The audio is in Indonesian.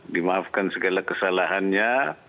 dimaafkan segala kesalahannya